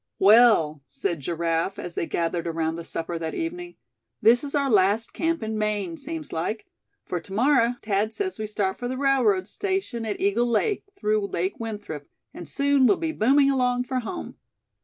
"Well," said Giraffe, as they gathered around the supper that evening; "This is our last camp in Maine, seems like; for to morrow Thad says we start for the railroad station at Eagle Lake, through Lake Winthrop; and soon we'll be booming along for home."